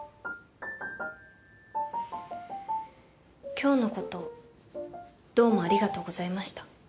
今日の事どうもありがとうございました。